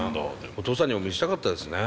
お父さんにも見せたかったですね。